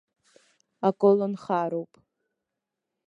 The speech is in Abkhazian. Аколнхароуп.